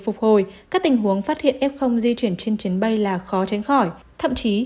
phục hồi các tình huống phát hiện f di chuyển trên chuyến bay là khó tránh khỏi thậm chí